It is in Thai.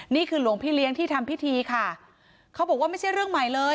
นี่คือหลวงพี่เลี้ยงที่ทำพิธีค่ะเขาบอกว่าไม่ใช่เรื่องใหม่เลย